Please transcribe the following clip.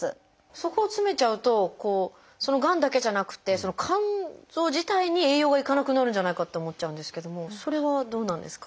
そこを詰めちゃうとそのがんだけじゃなくて肝臓自体に栄養が行かなくなるんじゃないかって思っちゃうんですけどもそれはどうなんですか？